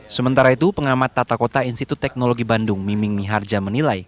sementara itu pengamat tata kota institut teknologi bandung miming miharja menilai